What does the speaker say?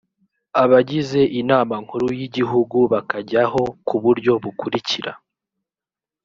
abagize inama nkuru y’igihugu bakajyaho ku buryo bukurikira: